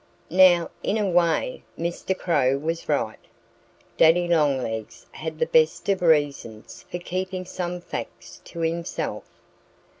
Now, in a way Mr. Crow was right. Daddy Longlegs had the best of reasons for keeping some facts to himself.